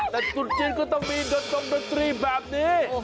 แต่ตุ๋ตจีนก็ต้องมีจนรมดัตรีแบบนี้